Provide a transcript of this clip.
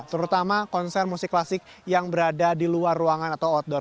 terutama konser musik klasik yang berada di luar ruangan atau outdoor